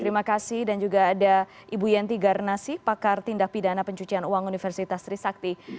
terima kasih dan juga ada ibu yenti garnasi pakar tindak pidana pencucian uang universitas trisakti